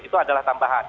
itu adalah tambahan